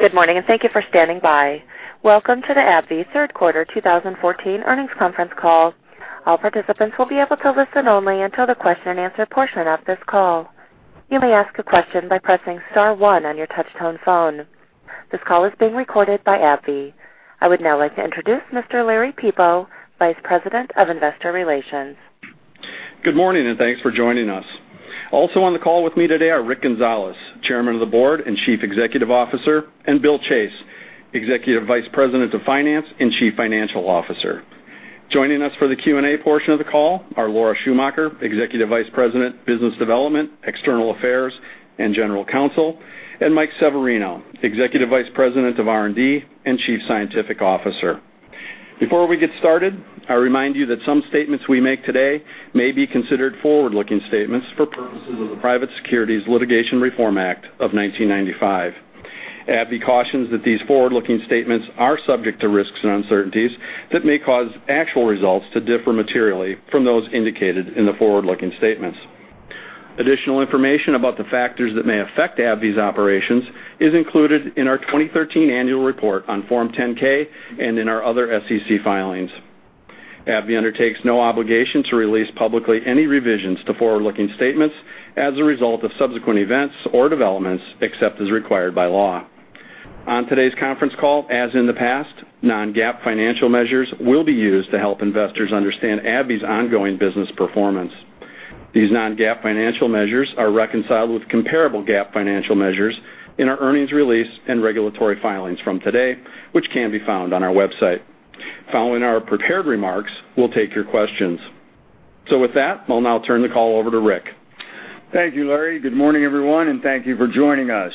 Good morning, and thank you for standing by. Welcome to the AbbVie Third Quarter 2014 Earnings Conference Call. All participants will be able to listen only until the question and answer portion of this call. You may ask a question by pressing *1 on your touch-tone phone. This call is being recorded by AbbVie. I would now like to introduce Mr. Larry Peepo, Vice President of Investor Relations. Good morning, and thanks for joining us. Also on the call with me today are Rick Gonzalez, Chairman of the Board and Chief Executive Officer, and Bill Chase, Executive Vice President of Finance and Chief Financial Officer. Joining us for the Q&A portion of the call are Laura Schumacher, Executive Vice President, Business Development, External Affairs, and General Counsel, and Mike Severino, Executive Vice President of R&D and Chief Scientific Officer. Before we get started, I remind you that some statements we make today may be considered forward-looking statements for purposes of the Private Securities Litigation Reform Act of 1995. AbbVie cautions that these forward-looking statements are subject to risks and uncertainties that may cause actual results to differ materially from those indicated in the forward-looking statements. Additional information about the factors that may affect AbbVie's operations is included in our 2013 annual report on Form 10-K and in our other SEC filings. AbbVie undertakes no obligation to release publicly any revisions to forward-looking statements as a result of subsequent events or developments, except as required by law. On today's conference call, as in the past, non-GAAP financial measures will be used to help investors understand AbbVie's ongoing business performance. These non-GAAP financial measures are reconciled with comparable GAAP financial measures in our earnings release and regulatory filings from today, which can be found on our website. Following our prepared remarks, we'll take your questions. With that, I'll now turn the call over to Rick. Thank you, Larry. Good morning, everyone, and thank you for joining us.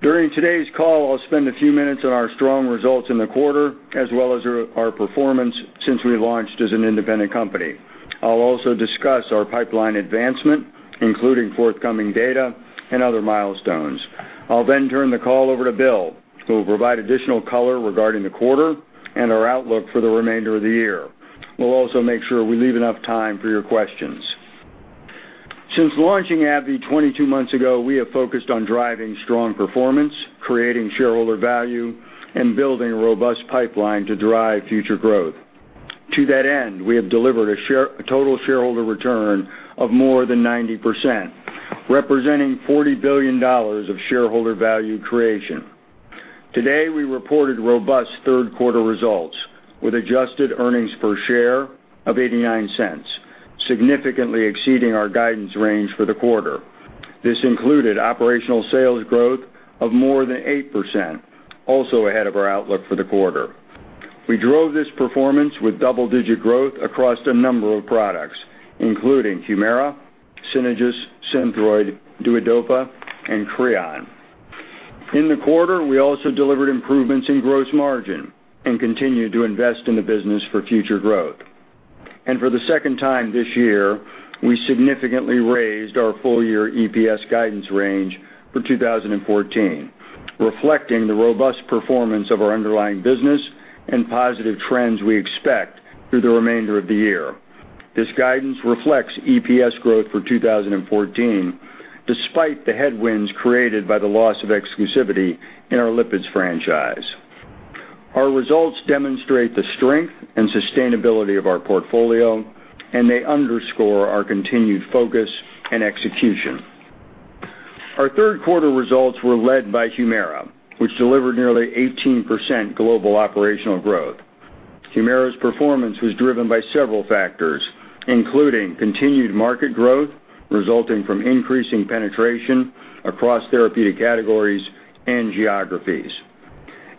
During today's call, I'll spend a few minutes on our strong results in the quarter, as well as our performance since we launched as an independent company. I'll also discuss our pipeline advancement, including forthcoming data and other milestones. I'll turn the call over to Bill, who will provide additional color regarding the quarter and our outlook for the remainder of the year. We'll also make sure we leave enough time for your questions. Since launching AbbVie 22 months ago, we have focused on driving strong performance, creating shareholder value, and building a robust pipeline to drive future growth. To that end, we have delivered a total shareholder return of more than 90%, representing $40 billion of shareholder value creation. Today, we reported robust third-quarter results with adjusted earnings per share of $0.89, significantly exceeding our guidance range for the quarter. This included operational sales growth of more than 8%, also ahead of our outlook for the quarter. We drove this performance with double-digit growth across a number of products, including Humira, Synagis, SYNTHROID, Duodopa, and CREON. In the quarter, we also delivered improvements in gross margin and continued to invest in the business for future growth. For the second time this year, we significantly raised our full-year EPS guidance range for 2014, reflecting the robust performance of our underlying business and positive trends we expect through the remainder of the year. This guidance reflects EPS growth for 2014, despite the headwinds created by the loss of exclusivity in our lipids franchise. Our results demonstrate the strength and sustainability of our portfolio, they underscore our continued focus and execution. Our third quarter results were led by Humira, which delivered nearly 18% global operational growth. Humira's performance was driven by several factors, including continued market growth resulting from increasing penetration across therapeutic categories and geographies.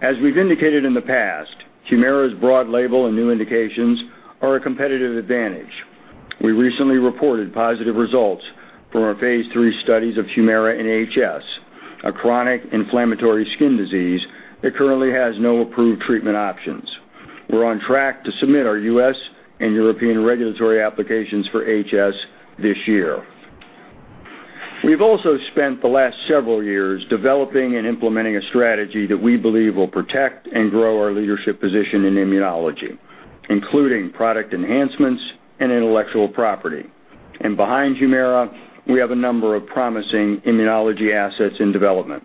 As we've indicated in the past, Humira's broad label and new indications are a competitive advantage. We recently reported positive results from our phase III studies of Humira in HS, a chronic inflammatory skin disease that currently has no approved treatment options. We're on track to submit our U.S. and European regulatory applications for HS this year. We've also spent the last several years developing and implementing a strategy that we believe will protect and grow our leadership position in immunology, including product enhancements and intellectual property. Behind Humira, we have a number of promising immunology assets in development.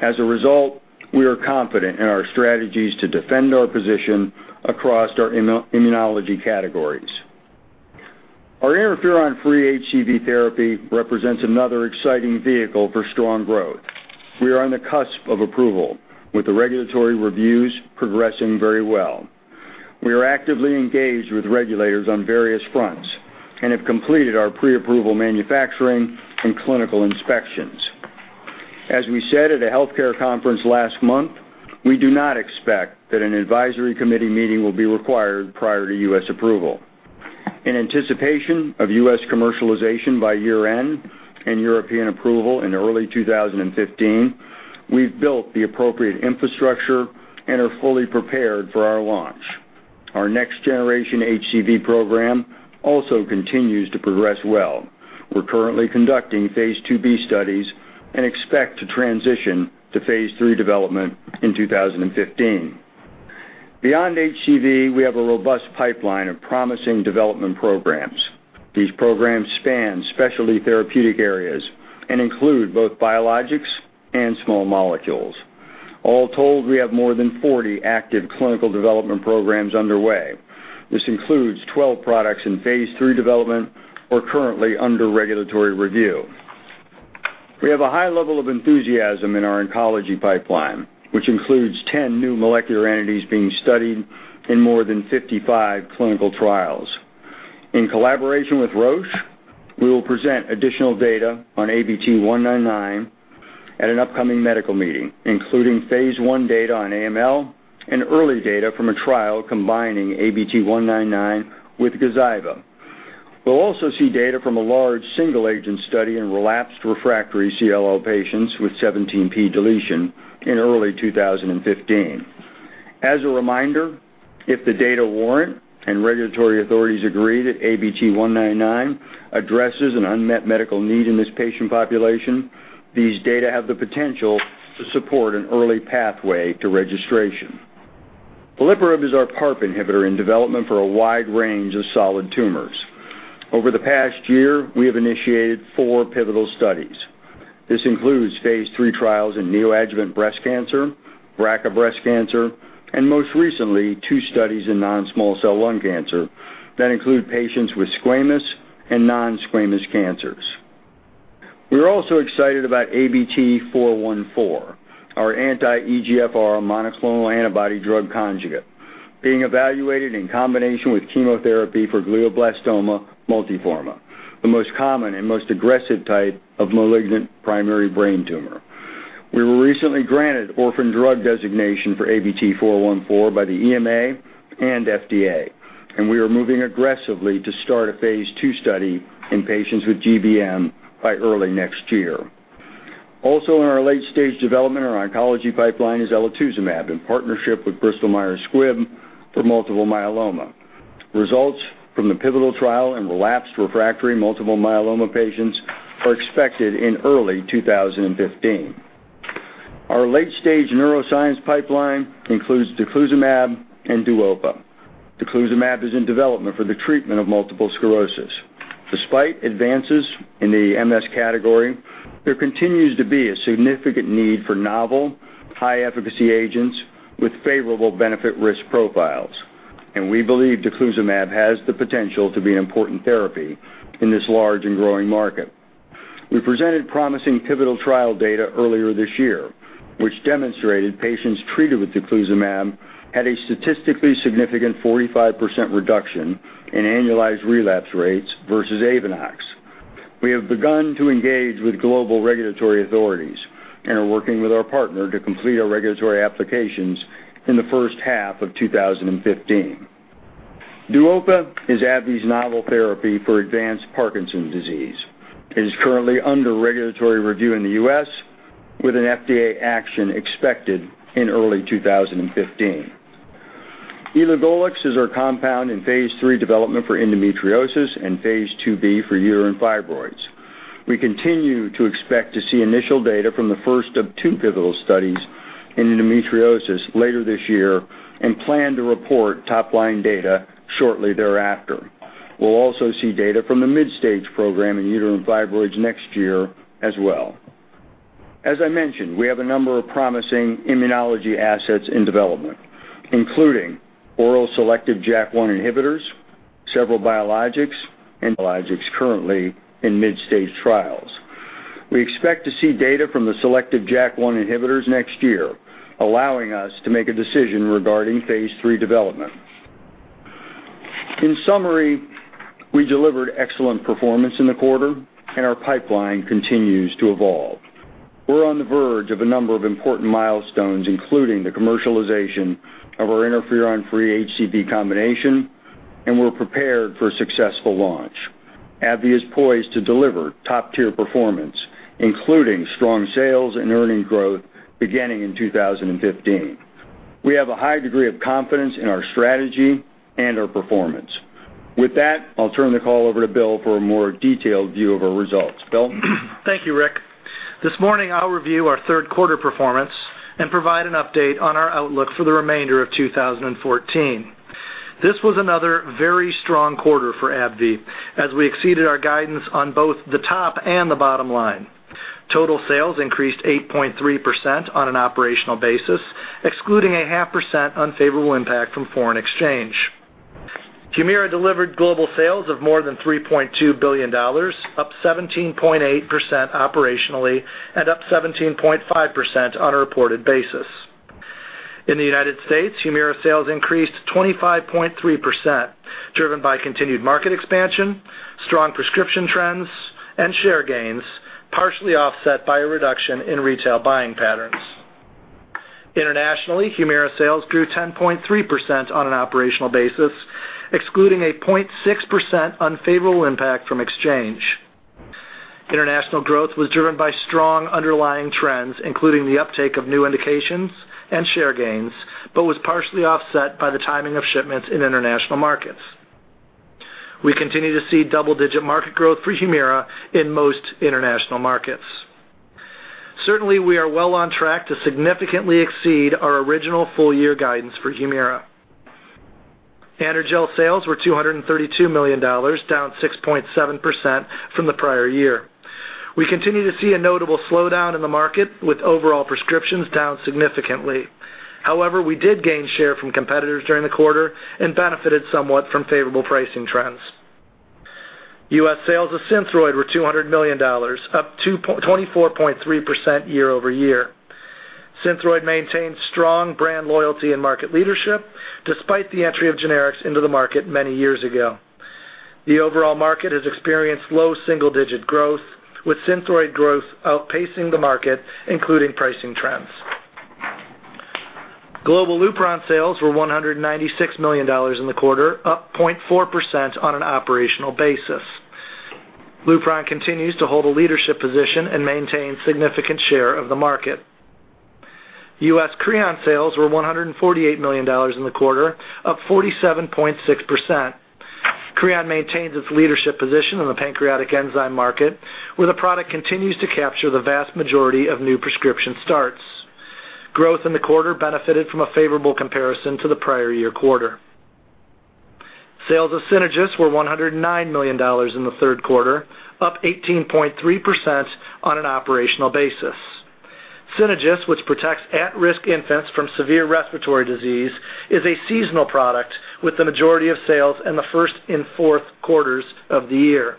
As a result, we are confident in our strategies to defend our position across our immunology categories. Our interferon-free HCV therapy represents another exciting vehicle for strong growth. We are on the cusp of approval with the regulatory reviews progressing very well. We are actively engaged with regulators on various fronts and have completed our pre-approval manufacturing and clinical inspections. As we said at a healthcare conference last month, we do not expect that an advisory committee meeting will be required prior to U.S. approval. In anticipation of U.S. commercialization by year-end and European approval in early 2015, we've built the appropriate infrastructure and are fully prepared for our launch. Our next-generation HCV program also continues to progress well. We're currently conducting phase IIb studies and expect to transition to phase III development in 2015. Beyond HCV, we have a robust pipeline of promising development programs. These programs span specialty therapeutic areas and include both biologics and small molecules. All told, we have more than 40 active clinical development programs underway. This includes 12 products in phase III development or currently under regulatory review. We have a high level of enthusiasm in our oncology pipeline, which includes 10 new molecular entities being studied in more than 55 clinical trials. In collaboration with Roche, we will present additional data on ABT-199 at an upcoming medical meeting, including phase I data on AML and early data from a trial combining ABT-199 with GAZYVA. We'll also see data from a large single-agent study in relapsed refractory CLL patients with 17p deletion in early 2015. As a reminder, if the data warrant and regulatory authorities agree that ABT-199 addresses an unmet medical need in this patient population, these data have the potential to support an early pathway to registration. veliparib is our PARP inhibitor in development for a wide range of solid tumors. Over the past year, we have initiated four pivotal studies. This includes phase III trials in neoadjuvant breast cancer, BRCA breast cancer, and most recently, two studies in non-small cell lung cancer that include patients with squamous and non-squamous cancers. We are also excited about ABT-414, our anti-EGFR monoclonal antibody drug conjugate being evaluated in combination with chemotherapy for glioblastoma multiforme, the most common and most aggressive type of malignant primary brain tumor. We were recently granted orphan drug designation for ABT-414 by the EMA and FDA, and we are moving aggressively to start a phase II study in patients with GBM by early next year. Also in our late-stage development on our oncology pipeline is elotuzumab, in partnership with Bristol Myers Squibb for multiple myeloma. Results from the pivotal trial in relapsed refractory multiple myeloma patients are expected in early 2015. Our late-stage neuroscience pipeline includes daclizumab and DUOPA. daclizumab is in development for the treatment of multiple sclerosis. Despite advances in the MS category, there continues to be a significant need for novel, high-efficacy agents with favorable benefit risk profiles, and we believe daclizumab has the potential to be an important therapy in this large and growing market. We presented promising pivotal trial data earlier this year, which demonstrated patients treated with daclizumab had a statistically significant 45% reduction in annualized relapse rates versus AVONEX. We have begun to engage with global regulatory authorities and are working with our partner to complete our regulatory applications in the first half of 2015. DUOPA is AbbVie's novel therapy for advanced Parkinson's disease. It is currently under regulatory review in the U.S., with an FDA action expected in early 2015. elagolix is our compound in phase III development for endometriosis and phase IIb for uterine fibroids. We continue to expect to see initial data from the first of two pivotal studies in endometriosis later this year and plan to report top-line data shortly thereafter. We will also see data from the mid-stage program in uterine fibroids next year as well. As I mentioned, we have a number of promising immunology assets in development, including oral selective JAK1 inhibitors, several biologics, and biologics currently in mid-stage trials. We expect to see data from the selective JAK1 inhibitors next year, allowing us to make a decision regarding phase III development. In summary, we delivered excellent performance in the quarter, and our pipeline continues to evolve. We are on the verge of a number of important milestones, including the commercialization of our interferon-free HCV combination, and we are prepared for a successful launch. AbbVie is poised to deliver top-tier performance, including strong sales and earning growth beginning in 2015. We have a high degree of confidence in our strategy and our performance. With that, I will turn the call over to Bill for a more detailed view of our results. Bill? Thank you, Rick. This morning, I'll review our third quarter performance and provide an update on our outlook for the remainder of 2014. This was another very strong quarter for AbbVie as we exceeded our guidance on both the top and the bottom line. Total sales increased 8.3% on an operational basis, excluding a 0.5% unfavorable impact from foreign exchange. Humira delivered global sales of more than $3.2 billion, up 17.8% operationally and up 17.5% on a reported basis. In the U.S., Humira sales increased 25.3%, driven by continued market expansion, strong prescription trends, and share gains, partially offset by a reduction in retail buying patterns. Internationally, Humira sales grew 10.3% on an operational basis, excluding a 0.6% unfavorable impact from exchange. International growth was driven by strong underlying trends, including the uptake of new indications and share gains, was partially offset by the timing of shipments in international markets. We continue to see double-digit market growth for Humira in most international markets. Certainly, we are well on track to significantly exceed our original full year guidance for Humira. AndroGel sales were $232 million, down 6.7% from the prior year. We continue to see a notable slowdown in the market with overall prescriptions down significantly. However, we did gain share from competitors during the quarter and benefited somewhat from favorable pricing trends. U.S. sales of SYNTHROID were $200 million, up 24.3% year-over-year. SYNTHROID maintains strong brand loyalty and market leadership despite the entry of generics into the market many years ago. The overall market has experienced low single-digit growth, with SYNTHROID growth outpacing the market, including pricing trends. Global LUPRON sales were $196 million in the quarter, up 0.4% on an operational basis. LUPRON continues to hold a leadership position and maintain significant share of the market. U.S. CREON sales were $148 million in the quarter, up 47.6%. CREON maintains its leadership position in the pancreatic enzyme market, where the product continues to capture the vast majority of new prescription starts. Growth in the quarter benefited from a favorable comparison to the prior year quarter. Sales of Synagis were $109 million in the third quarter, up 18.3% on an operational basis. Synagis, which protects at-risk infants from severe respiratory disease, is a seasonal product with the majority of sales in the first and fourth quarters of the year.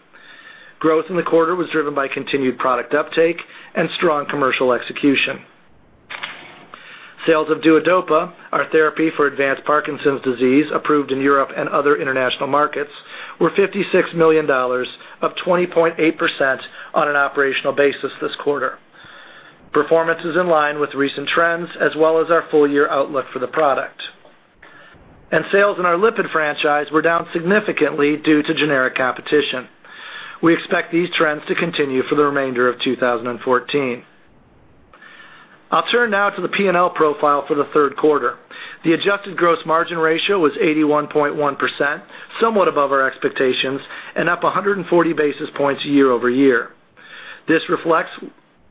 Growth in the quarter was driven by continued product uptake and strong commercial execution. Sales of Duodopa, our therapy for advanced Parkinson's disease, approved in Europe and other international markets, were $56 million, up 20.8% on an operational basis this quarter. Performance is in line with recent trends as well as our full-year outlook for the product. Sales in our lipid franchise were down significantly due to generic competition. We expect these trends to continue for the remainder of 2014. I'll turn now to the P&L profile for the third quarter. The adjusted gross margin ratio was 81.1%, somewhat above our expectations and up 140 basis points year-over-year. This reflects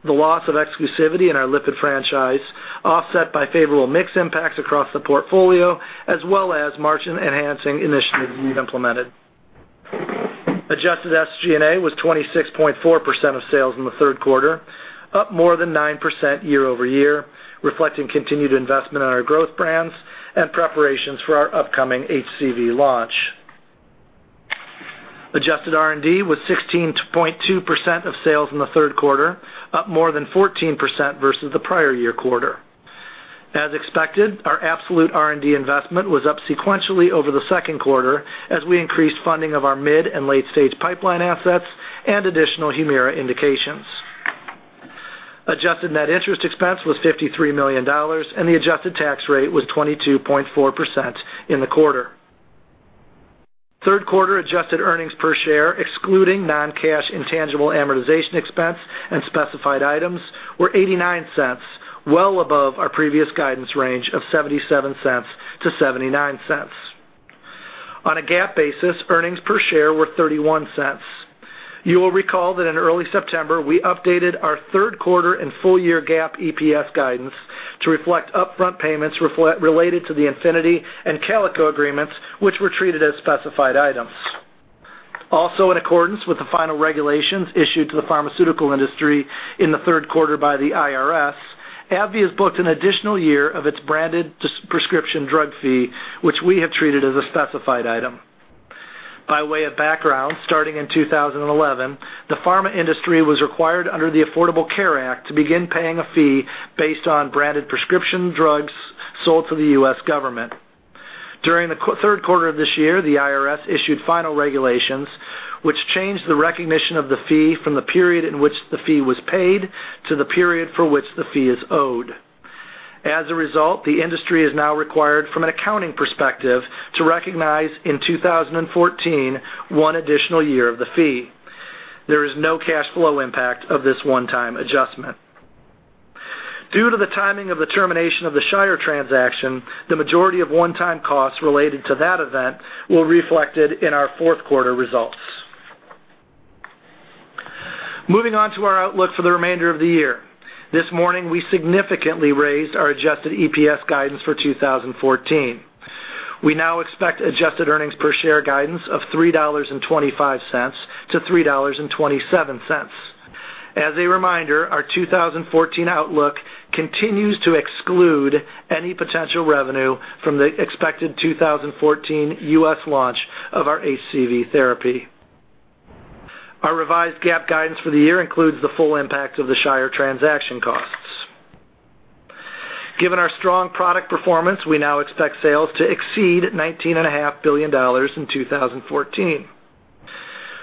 the loss of exclusivity in our lipid franchise, offset by favorable mix impacts across the portfolio, as well as margin-enhancing initiatives we've implemented. Adjusted SG&A was 26.4% of sales in the third quarter, up more than 9% year-over-year, reflecting continued investment in our growth brands and preparations for our upcoming HCV launch. Adjusted R&D was 16.2% of sales in the third quarter, up more than 14% versus the prior year quarter. As expected, our absolute R&D investment was up sequentially over the second quarter as we increased funding of our mid- and late-stage pipeline assets and additional Humira indications. Adjusted net interest expense was $53 million, and the adjusted tax rate was 22.4% in the quarter. Third quarter adjusted earnings per share, excluding non-cash intangible amortization expense and specified items, were $0.89, well above our previous guidance range of $0.77-$0.79. On a GAAP basis, earnings per share were $0.31. You will recall that in early September, we updated our third quarter and full year GAAP EPS guidance to reflect upfront payments related to the Infinity and Calico agreements, which were treated as specified items. Also, in accordance with the final regulations issued to the pharmaceutical industry in the third quarter by the IRS, AbbVie has booked an additional year of its branded prescription drug fee, which we have treated as a specified item. By way of background, starting in 2011, the pharma industry was required under the Affordable Care Act to begin paying a fee based on branded prescription drugs sold to the U.S. government. During the third quarter of this year, the IRS issued final regulations, which changed the recognition of the fee from the period in which the fee was paid to the period for which the fee is owed. As a result, the industry is now required from an accounting perspective to recognize in 2014, one additional year of the fee. There is no cash flow impact of this one-time adjustment. Due to the timing of the termination of the Shire transaction, the majority of one-time costs related to that event were reflected in our fourth quarter results. Moving on to our outlook for the remainder of the year. This morning, we significantly raised our adjusted EPS guidance for 2014. We now expect adjusted earnings per share guidance of $3.25-$3.27. As a reminder, our 2014 outlook continues to exclude any potential revenue from the expected 2014 U.S. launch of our HCV therapy. Our revised GAAP guidance for the year includes the full impact of the Shire transaction costs. Given our strong product performance, we now expect sales to exceed $19.5 billion in 2014.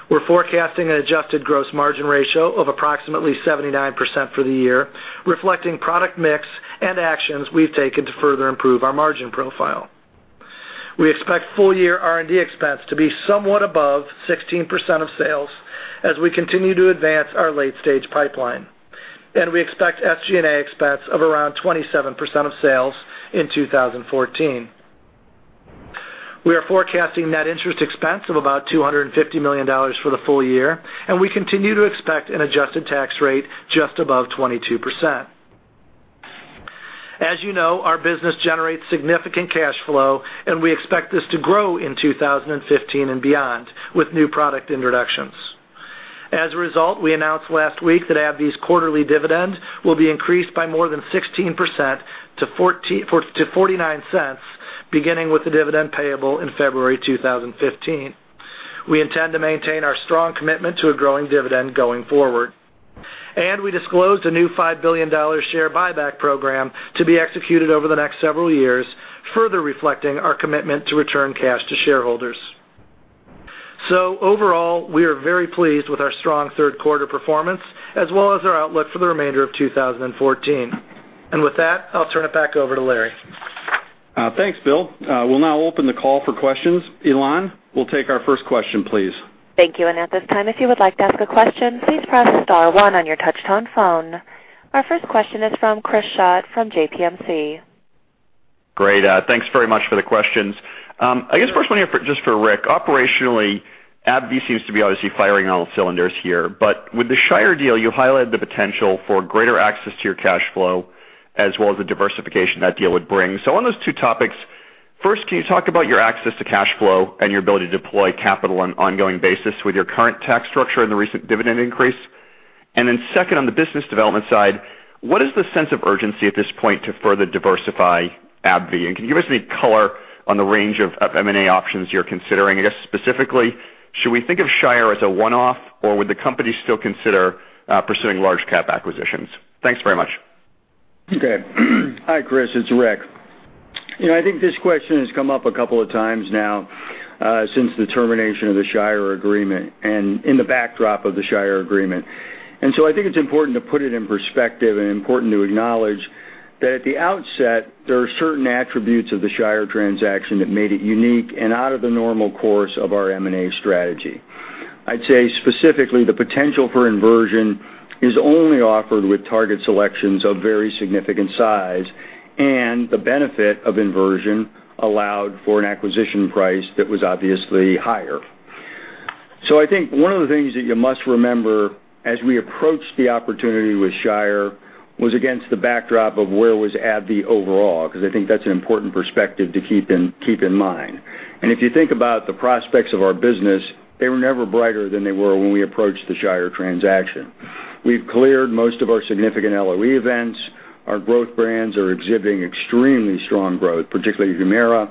We're forecasting an adjusted gross margin ratio of approximately 79% for the year, reflecting product mix and actions we've taken to further improve our margin profile. We expect full year R&D expense to be somewhat above 16% of sales as we continue to advance our late-stage pipeline. We expect SG&A expense of around 27% of sales in 2014. We are forecasting net interest expense of about $250 million for the full year, and we continue to expect an adjusted tax rate just above 22%. As you know, our business generates significant cash flow, and we expect this to grow in 2015 and beyond with new product introductions. As a result, we announced last week that AbbVie's quarterly dividend will be increased by more than 16% to $0.49, beginning with the dividend payable in February 2015. We intend to maintain our strong commitment to a growing dividend going forward. We disclosed a new $5 billion share buyback program to be executed over the next several years, further reflecting our commitment to return cash to shareholders. Overall, we are very pleased with our strong third quarter performance, as well as our outlook for the remainder of 2014. With that, I'll turn it back over to Larry. Thanks, Bill. We'll now open the call for questions. Elan, we'll take our first question, please. Thank you. At this time, if you would like to ask a question, please press star one on your touch-tone phone. Our first question is from Chris Schott from JPMC. Great. Thanks very much for the questions. First one here just for Rick. Operationally, AbbVie seems to be obviously firing on all cylinders here. With the Shire deal, you highlighted the potential for greater access to your cash flow as well as the diversification that deal would bring. On those two topics, first, can you talk about your access to cash flow and your ability to deploy capital on an ongoing basis with your current tax structure and the recent dividend increase? Second, on the business development side, what is the sense of urgency at this point to further diversify AbbVie? Can you give us any color on the range of M&A options you're considering? Specifically, should we think of Shire as a one-off, or would the company still consider pursuing large cap acquisitions? Thanks very much. Okay. Hi, Chris. It's Rick. This question has come up a couple of times now since the termination of the Shire agreement and in the backdrop of the Shire agreement. It's important to put it in perspective and important to acknowledge that at the outset, there are certain attributes of the Shire transaction that made it unique and out of the normal course of our M&A strategy. I'd say specifically, the potential for inversion is only offered with target selections of very significant size, and the benefit of inversion allowed for an acquisition price that was obviously higher. One of the things that you must remember as we approach the opportunity with Shire was against the backdrop of where was AbbVie overall, because that's an important perspective to keep in mind. If you think about the prospects of our business, they were never brighter than they were when we approached the Shire transaction. We've cleared most of our significant LOE events. Our growth brands are exhibiting extremely strong growth, particularly Humira.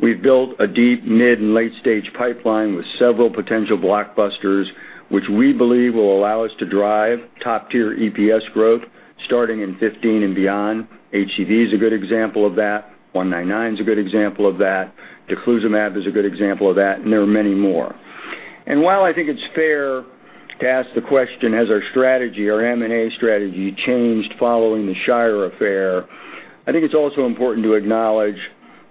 We've built a deep mid and late-stage pipeline with several potential blockbusters, which we believe will allow us to drive top-tier EPS growth starting in 2015 and beyond. HCV is a good example of that. ABT-199 is a good example of that. daclizumab is a good example of that, and there are many more. While it's fair to ask the question, has our M&A strategy changed following the Shire affair, it's also important to acknowledge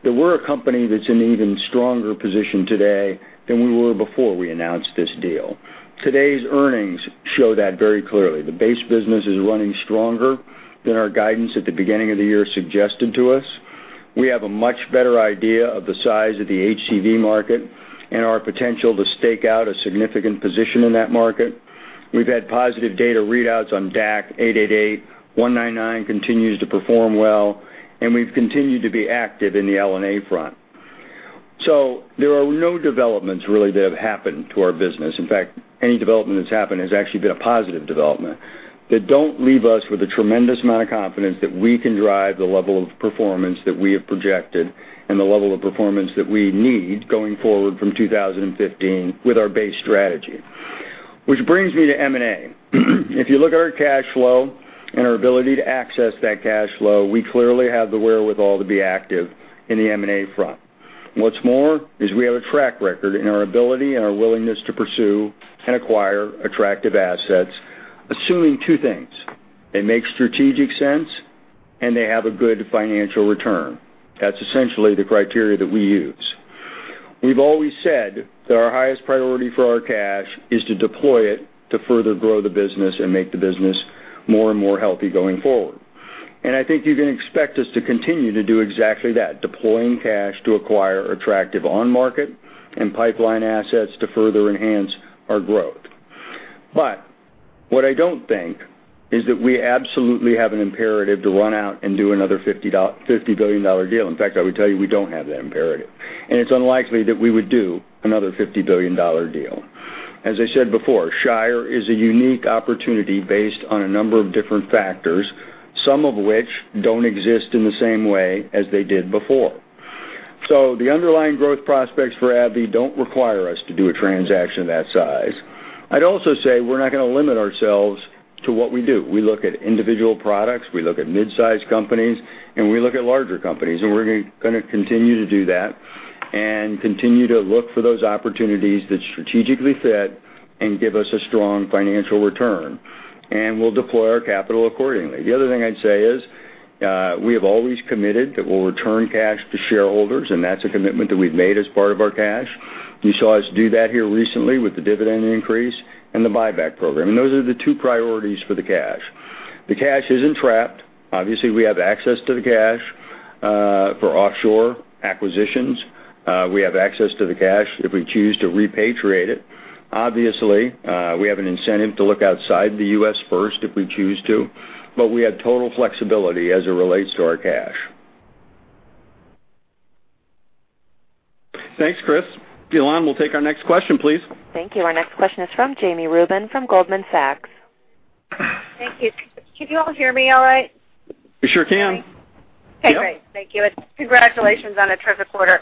that we're a company that's in an even stronger position today than we were before we announced this deal. Today's earnings show that very clearly. The base business is running stronger than our guidance at the beginning of the year suggested to us. We have a much better idea of the size of the HCV market and our potential to stake out a significant position in that market. We've had positive data readouts on ABT-888. ABT-199 continues to perform well, and we've continued to be active in the BD&L front. There are no developments really that have happened to our business. In fact, any development that's happened has actually been a positive development that don't leave us with a tremendous amount of confidence that we can drive the level of performance that we have projected and the level of performance that we need going forward from 2015 with our base strategy. Which brings me to M&A. If you look at our cash flow and our ability to access that cash flow, we clearly have the wherewithal to be active in the M&A front. What's more, is we have a track record in our ability and our willingness to pursue and acquire attractive assets, assuming two things: It makes strategic sense, and they have a good financial return. That's essentially the criteria that we use. We've always said that our highest priority for our cash is to deploy it to further grow the business and make the business more and more healthy going forward. I think you can expect us to continue to do exactly that, deploying cash to acquire attractive on-market and pipeline assets to further enhance our growth. What I don't think is that we absolutely have an imperative to run out and do another $50 billion deal. In fact, I would tell you, we don't have that imperative. It's unlikely that we would do another $50 billion deal. As I said before, Shire is a unique opportunity based on a number of different factors, some of which don't exist in the same way as they did before. The underlying growth prospects for AbbVie don't require us to do a transaction that size. I'd also say we're not going to limit ourselves to what we do. We look at individual products, we look at mid-size companies, and we look at larger companies. We're going to continue to do that and continue to look for those opportunities that strategically fit and give us a strong financial return. We'll deploy our capital accordingly. The other thing I'd say is we have always committed that we'll return cash to shareholders, and that's a commitment that we've made as part of our cash. You saw us do that here recently with the dividend increase and the buyback program. Those are the two priorities for the cash. The cash isn't trapped. Obviously, we have access to the cash for offshore acquisitions. We have access to the cash if we choose to repatriate it. Obviously, we have an incentive to look outside the U.S. first if we choose to, but we have total flexibility as it relates to our cash. Thanks, Chris. Elan, we'll take our next question, please. Thank you. Our next question is from Jami Rubin from Goldman Sachs. Thank you. Can you all hear me all right? We sure can. Okay, great. Thank you, congratulations on a terrific quarter.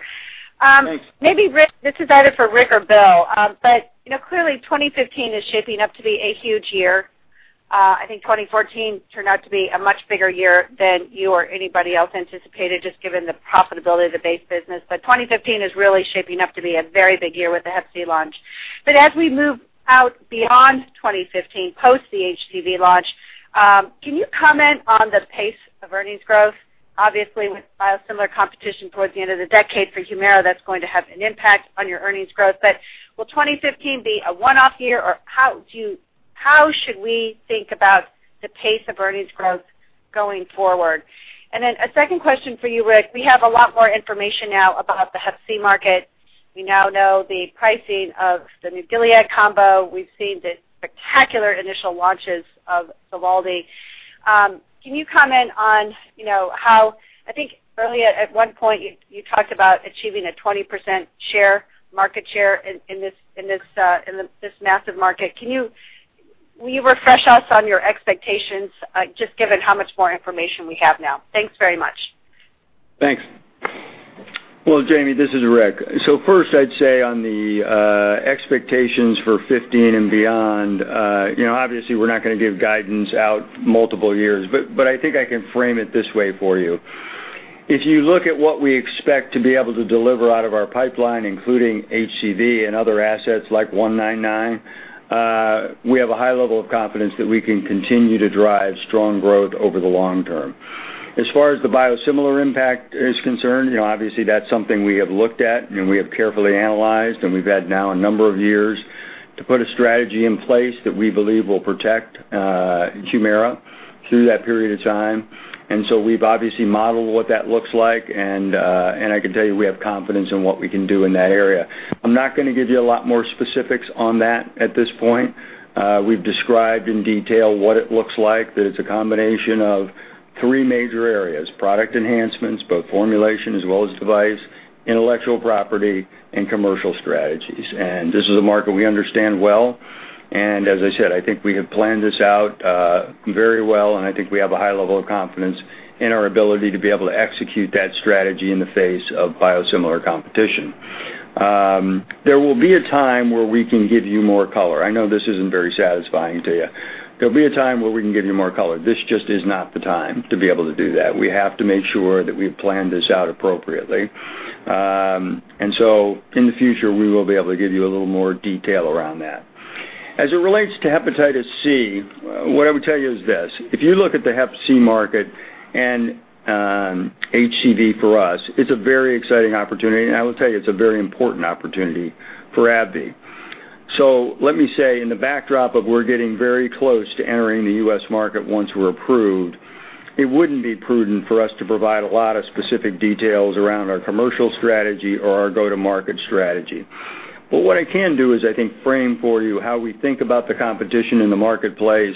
Thanks. Maybe this is either for Rick or Bill. Clearly 2015 is shaping up to be a huge year. I think 2014 turned out to be a much bigger year than you or anybody else anticipated, just given the profitability of the base business. 2015 is really shaping up to be a very big year with the hep C launch. As we move out beyond 2015, post the HCV launch, can you comment on the pace of earnings growth? Obviously, with biosimilar competition towards the end of the decade for Humira, that's going to have an impact on your earnings growth. Will 2015 be a one-off year, or how should we think about the pace of earnings growth going forward? Then a second question for you, Rick. We have a lot more information now about the hep C market. We now know the pricing of the new Gilead combo. We've seen the spectacular initial launches of HARVONI. Can you comment on how, I think earlier at one point you talked about achieving a 20% market share in this massive market. Will you refresh us on your expectations, just given how much more information we have now? Thanks very much. Thanks. Well, Jami, this is Rick. First, I'd say on the expectations for 2015 and beyond, obviously we're not going to give guidance out multiple years, but I think I can frame it this way for you. If you look at what we expect to be able to deliver out of our pipeline, including HCV and other assets like ABT-199, we have a high level of confidence that we can continue to drive strong growth over the long term. As far as the biosimilar impact is concerned, obviously that's something we have looked at, and we have carefully analyzed, and we've had now a number of years to put a strategy in place that we believe will protect Humira through that period of time. We've obviously modeled what that looks like, and I can tell you we have confidence in what we can do in that area. I'm not going to give you a lot more specifics on that at this point. We've described in detail what it looks like, that it's a combination of three major areas, product enhancements, both formulation as well as device, intellectual property, and commercial strategies. This is a market we understand well, and as I said, I think we have planned this out very well, and I think we have a high level of confidence in our ability to be able to execute that strategy in the face of biosimilar competition. There will be a time where we can give you more color. I know this isn't very satisfying to you. There'll be a time where we can give you more color. This just is not the time to be able to do that. We have to make sure that we've planned this out appropriately. In the future, we will be able to give you a little more detail around that. As it relates to hepatitis C, what I would tell you is this, if you look at the hep C market and HCV for us, it's a very exciting opportunity, and I will tell you it's a very important opportunity for AbbVie. Let me say, in the backdrop of we're getting very close to entering the U.S. market once we're approved, it wouldn't be prudent for us to provide a lot of specific details around our commercial strategy or our go-to-market strategy. But what I can do is I think frame for you how we think about the competition in the marketplace,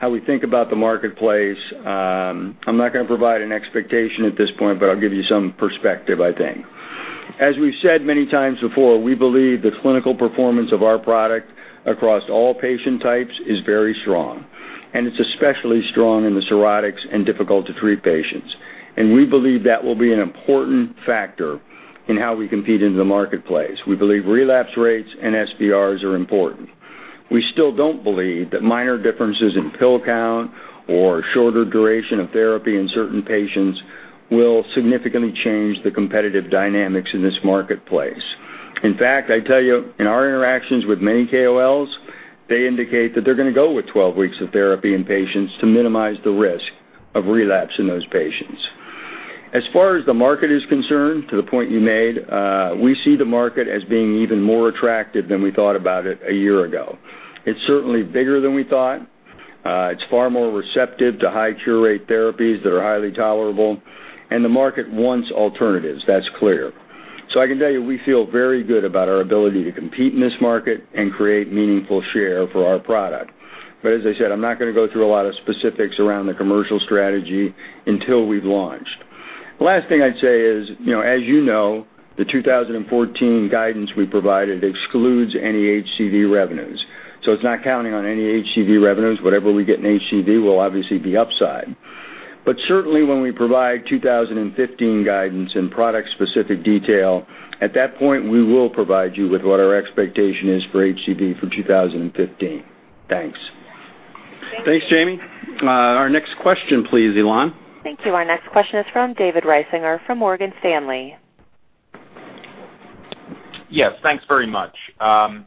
how we think about the marketplace. I'm not going to provide an expectation at this point, but I'll give you some perspective, I think. As we've said many times before, we believe the clinical performance of our product across all patient types is very strong, and it's especially strong in the cirrhotics and difficult to treat patients. We believe that will be an important factor in how we compete in the marketplace. We believe relapse rates and SVRs are important. We still don't believe that minor differences in pill count or shorter duration of therapy in certain patients will significantly change the competitive dynamics in this marketplace. In fact, I tell you, in our interactions with many KOLs, they indicate that they're going to go with 12 weeks of therapy in patients to minimize the risk of relapse in those patients. As far as the market is concerned, to the point you made, we see the market as being even more attractive than we thought about it a year ago. It's certainly bigger than we thought. It's far more receptive to high cure rate therapies that are highly tolerable, and the market wants alternatives. That's clear. I can tell you, we feel very good about our ability to compete in this market and create meaningful share for our product. But as I said, I'm not going to go through a lot of specifics around the commercial strategy until we've launched. The last thing I'd say is, as you know, the 2014 guidance we provided excludes any HCV revenues. So it's not counting on any HCV revenues. Whatever we get in HCV will obviously be upside. But certainly when we provide 2015 guidance and product-specific detail, at that point, we will provide you with what our expectation is for HCV for 2015. Thanks. Thanks, Jami. Our next question please, Elan. Thank you. Our next question is from David Risinger from Morgan Stanley. Yes. Thanks very much. I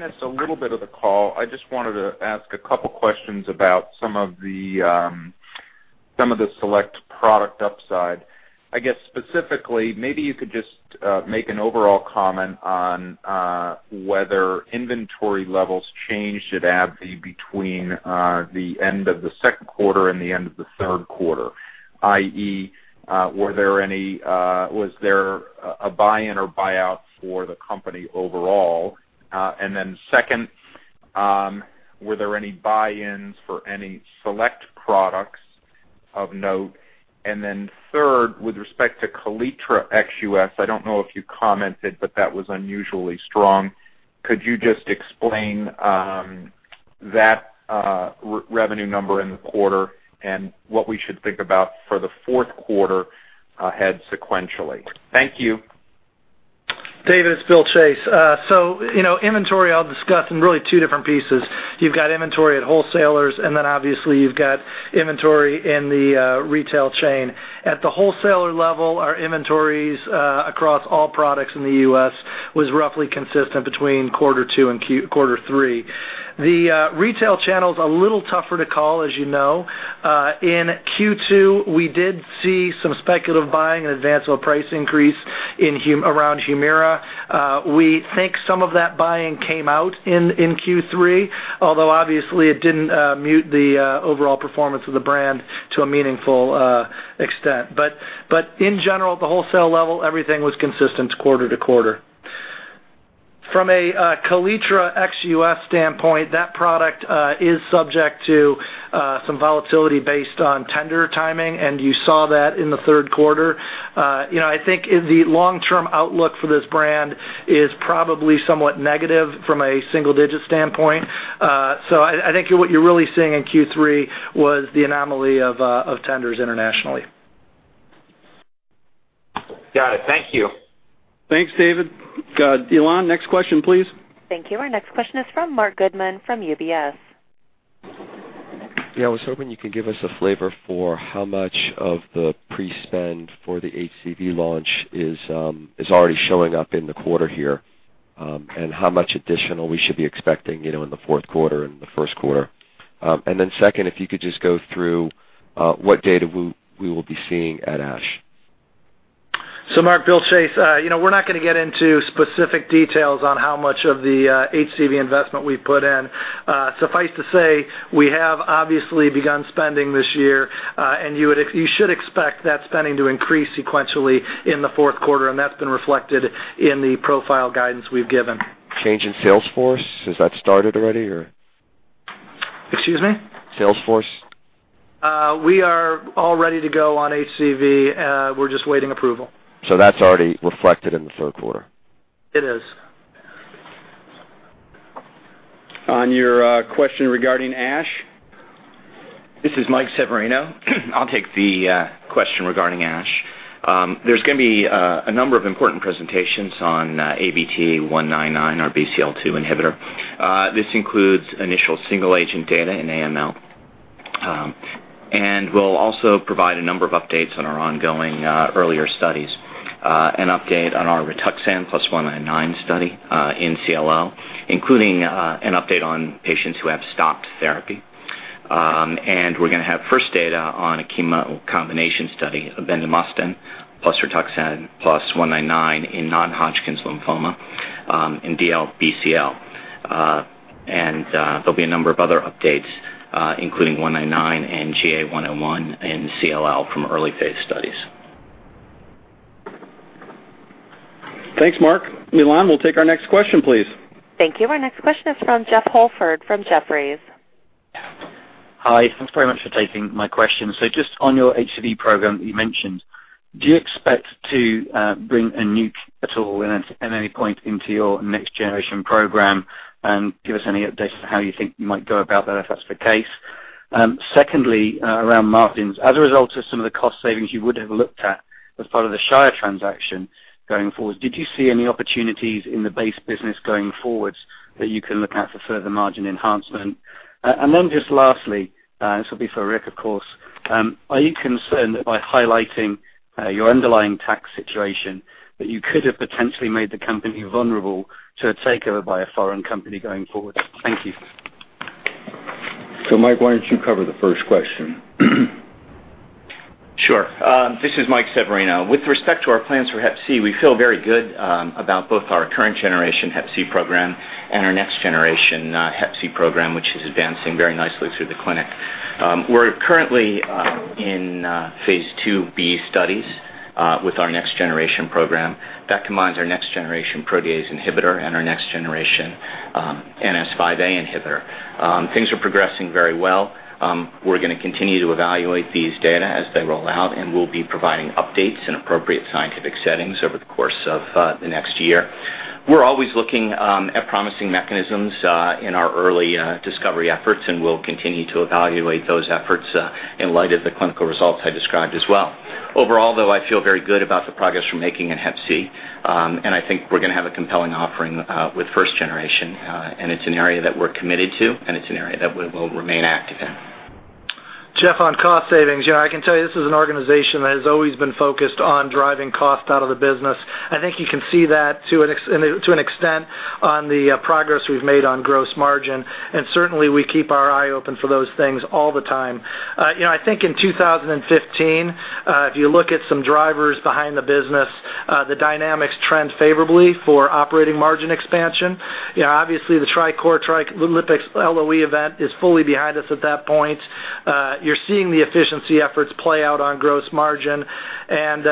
missed a little bit of the call. I just wanted to ask a couple questions about some of the select product upside. I guess specifically, maybe you could just make an overall comment on whether inventory levels changed at AbbVie between the end of the second quarter and the end of the third quarter, i.e., was there a buy-in or buy-out for the company overall? Second, were there any buy-ins for any select products of note? Third, with respect to Kaletra ex-U.S., I don't know if you commented, but that was unusually strong. Could you just explain that revenue number in the quarter and what we should think about for the fourth quarter ahead sequentially? Thank you. David, it's William Chase. Inventory I'll discuss in really two different pieces. You've got inventory at wholesalers, obviously you've got inventory in the retail chain. At the wholesaler level, our inventories across all products in the U.S. was roughly consistent between quarter two and quarter three. The retail channel's a little tougher to call, as you know. In Q2, we did see some speculative buying in advance of a price increase around Humira. We think some of that buying came out in Q3, although obviously it didn't mute the overall performance of the brand to a meaningful extent. In general, at the wholesale level, everything was consistent quarter to quarter. From a Kaletra ex-U.S. standpoint, that product is subject to some volatility based on tender timing, and you saw that in the third quarter. I think the long-term outlook for this brand is probably somewhat negative from a single-digit standpoint. I think what you're really seeing in Q3 was the anomaly of tenders internationally. Got it. Thank you. Thanks, David. Elan, next question, please. Thank you. Our next question is from Marc Goodman from UBS. Yeah, I was hoping you could give us a flavor for how much of the pre-spend for the HCV launch is already showing up in the quarter here, and how much additional we should be expecting in the fourth quarter and the first quarter. Second, if you could just go through what data we will be seeing at ASH. Marc, William Chase. We're not going to get into specific details on how much of the HCV investment we've put in. Suffice to say, we have obviously begun spending this year. You should expect that spending to increase sequentially in the fourth quarter, and that's been reflected in the profile guidance we've given. Change in sales force, has that started already? Excuse me? Sales force. We are all ready to go on HCV. We're just waiting approval. That's already reflected in the third quarter? It is. On your question regarding ASH. This is Michael Severino. I'll take the question regarding ASH. There's going to be a number of important presentations on ABT-199, our BCL-2 inhibitor. This includes initial single agent data in AML. We'll also provide a number of updates on our ongoing earlier studies, an update on our RITUXAN plus ABT-199 study in CLL, including an update on patients who have stopped therapy. We're going to have first data on a chemo combination study of bendamustine plus RITUXAN plus ABT-199 in non-Hodgkin's lymphoma in DLBCL. There'll be a number of other updates, including ABT-199 and GA101 in CLL from early phase studies. Thanks, Marc. Elan, we'll take our next question, please. Thank you. Our next question is from Jeffrey Holford from Jefferies. Hi. Thanks very much for taking my question. Just on your HCV program that you mentioned, do you expect to bring a nuke at all at any point into your next generation program? Give us any updates on how you think you might go about that, if that's the case. Secondly, around margins. As a result of some of the cost savings you would have looked at as part of the Shire transaction going forward, did you see any opportunities in the base business going forward that you can look at for further margin enhancement? Then just lastly, this will be for Rick, of course. Are you concerned that by highlighting your underlying tax situation, that you could have potentially made the company vulnerable to a takeover by a foreign company going forward? Thank you. Mike, why don't you cover the first question? Sure. This is Michael Severino. With respect to our plans for hep C, we feel very good about both our current generation hep C program and our next generation hep C program, which is advancing very nicely through the clinic. We're currently in phase II-B studies with our next generation program. That combines our next generation protease inhibitor and our next generation NS5A inhibitor. Things are progressing very well. We're going to continue to evaluate these data as they roll out, and we'll be providing updates in appropriate scientific settings over the course of the next year. We're always looking at promising mechanisms in our early discovery efforts, and we'll continue to evaluate those efforts in light of the clinical results I described as well. Overall, though, I feel very good about the progress we're making in hep C, and I think we're going to have a compelling offering with first generation. It's an area that we're committed to, and it's an area that we will remain active in. Jeff, on cost savings, I can tell you this is an organization that has always been focused on driving cost out of the business. I think you can see that to an extent on the progress we've made on gross margin, and certainly we keep our eye open for those things all the time. I think in 2015, if you look at some drivers behind the business, the dynamics trend favorably for operating margin expansion. Obviously, the TRICOR, TRILIPIX LOE event is fully behind us at that point. You're seeing the efficiency efforts play out on gross margin, and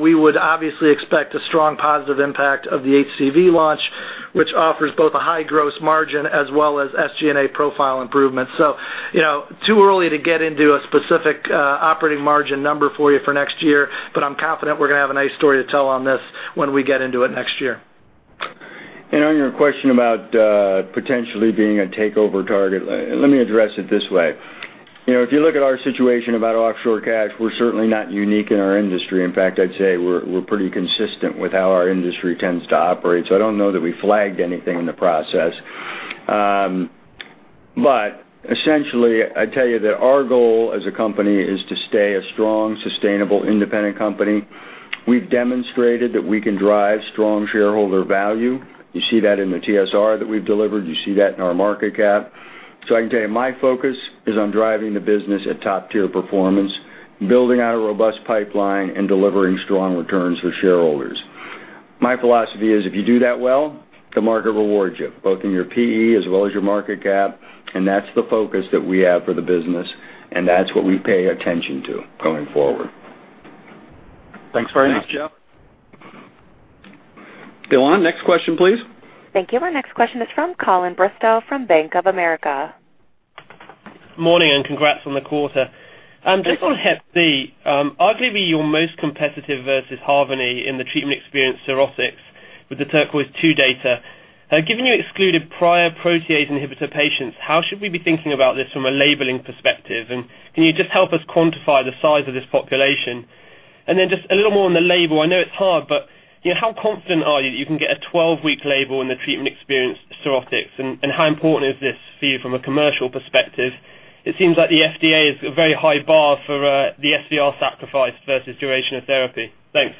we would obviously expect a strong positive impact of the HCV launch, which offers both a high gross margin as well as SG&A profile improvement. Too early to get into a specific operating margin number for you for next year, but I'm confident we're going to have a nice story to tell on this when we get into it next year. On your question about potentially being a takeover target, let me address it this way. If you look at our situation about offshore cash, we're certainly not unique in our industry. In fact, I'd say we're pretty consistent with how our industry tends to operate. I don't know that we flagged anything in the process. Essentially, I'd tell you that our goal as a company is to stay a strong, sustainable, independent company. We've demonstrated that we can drive strong shareholder value. You see that in the TSR that we've delivered. You see that in our market cap. I can tell you, my focus is on driving the business at top-tier performance, building out a robust pipeline, and delivering strong returns for shareholders. My philosophy is if you do that well, the market rewards you both in your P/E as well as your market cap, that's the focus that we have for the business, and that's what we pay attention to going forward. Thanks very much. Thanks, Jeff. Elan, next question, please. Thank you. Our next question is from Colin Bristow from Bank of America. Morning. Congrats on the quarter. Thanks, Colin. Just on HCV, arguably your most competitive versus HARVONI in the treatment-experienced cirrhotics with the TURQUOISE-II data. Given you excluded prior protease inhibitor patients, how should we be thinking about this from a labeling perspective? Can you just help us quantify the size of this population? Then just a little more on the label. I know it's hard, but how confident are you that you can get a 12-week label in the treatment-experienced cirrhotics, and how important is this for you from a commercial perspective? It seems like the FDA is a very high bar for the SVR sacrifice versus duration of therapy. Thanks.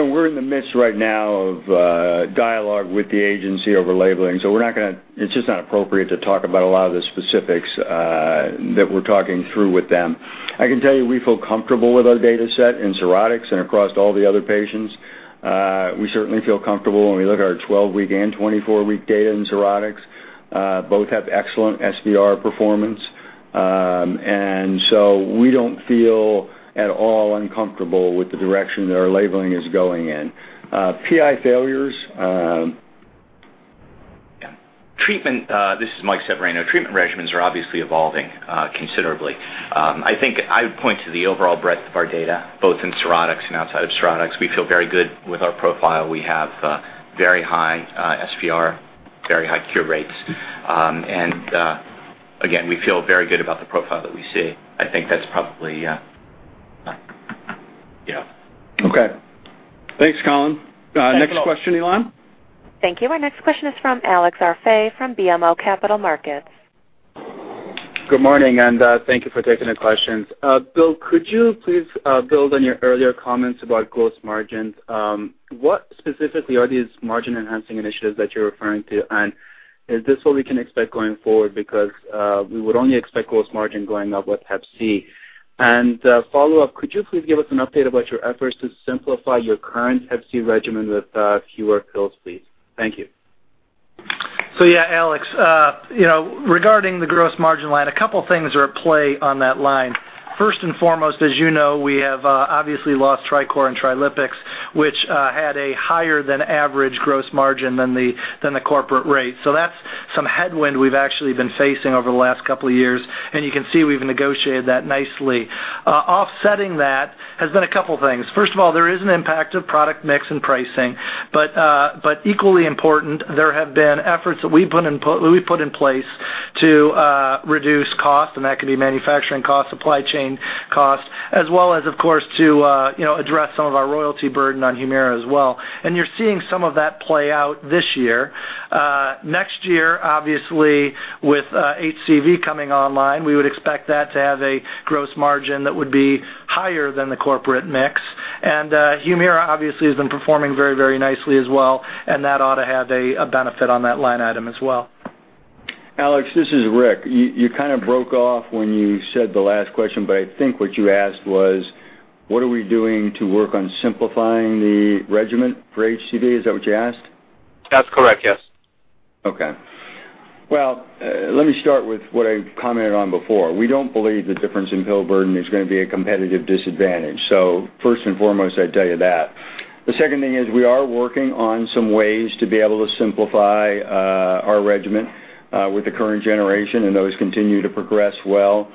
We're in the midst right now of dialogue with the agency over labeling. It's just not appropriate to talk about a lot of the specifics that we're talking through with them. I can tell you we feel comfortable with our data set in cirrhotics and across all the other patients. We certainly feel comfortable when we look at our 12-week and 24-week data in cirrhotics. Both have excellent SVR performance. We don't feel at all uncomfortable with the direction that our labeling is going in. PI failures. This is Michael Severino. Treatment regimens are obviously evolving considerably. I think I would point to the overall breadth of our data, both in cirrhotics and outside of cirrhotics. We feel very good with our profile. We have very high SVR, very high cure rates. Again, we feel very good about the profile that we see. I think that's probably. Yeah. Okay. Thanks, Colin. Thanks a lot. Next question, Elan. Thank you. Our next question is from Alex Arfaei from BMO Capital Markets. Good morning, thank you for taking the questions. Bill, could you please build on your earlier comments about gross margins? What specifically are these margin-enhancing initiatives that you're referring to? Is this what we can expect going forward? We would only expect gross margin going up with hep C. Follow-up, could you please give us an update about your efforts to simplify your current hep C regimen with fewer pills, please? Thank you. Yeah, Alex, regarding the gross margin line, a couple things are at play on that line. First and foremost, as you know, we have obviously lost TRICOR and TRILIPIX, which had a higher than average gross margin than the corporate rate. That's some headwind we've actually been facing over the last couple of years, and you can see we've negotiated that nicely. Offsetting that has been a couple things. First of all, there is an impact of product mix and pricing. Equally important, there have been efforts that we've put in place to reduce cost, and that could be manufacturing cost, supply chain cost, as well as, of course, to address some of our royalty burden on Humira as well. You're seeing some of that play out this year. Next year, obviously, with HCV coming online, we would expect that to have a gross margin that would be higher than the corporate mix. Humira obviously has been performing very nicely as well, and that ought to have a benefit on that line item as well. Alex, this is Rick. You kind of broke off when you said the last question, I think what you asked was, what are we doing to work on simplifying the regimen for HCV? Is that what you asked? That's correct, yes. Okay. Well, let me start with what I commented on before. We don't believe the difference in pill burden is going to be a competitive disadvantage. First and foremost, I'd tell you that. The second thing is we are working on some ways to be able to simplify our regimen with the current generation, and those continue to progress well.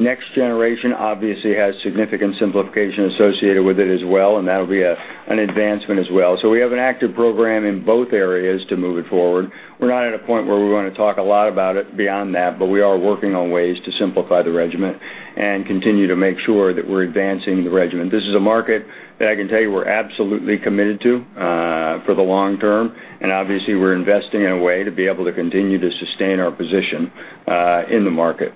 Next generation obviously has significant simplification associated with it as well, and that'll be an advancement as well. We have an active program in both areas to move it forward. We're not at a point where we're going to talk a lot about it beyond that, but we are working on ways to simplify the regimen and continue to make sure that we're advancing the regimen. This is a market that I can tell you we're absolutely committed to for the long term, and obviously, we're investing in a way to be able to continue to sustain our position in the market.